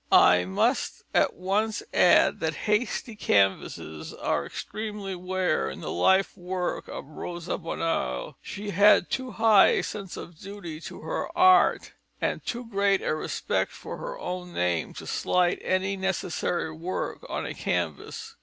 I must at once add that hasty canvases are extremely rare in the life work of Rosa Bonheur; she had too high a sense of duty to her art and too great a respect for her own name to slight any necessary work on a canvas.